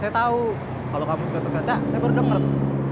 tahu kalau kamu suka perkataan saya baru denger tuh